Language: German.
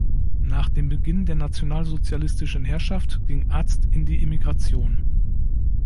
Nach dem Beginn der nationalsozialistischen Herrschaft ging Arzt in die Emigration.